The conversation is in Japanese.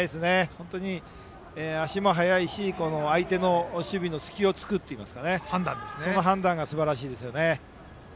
本当に足も速いし相手の守備の隙を突くといいますかその判断がすばらしいです。